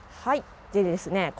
はいでですね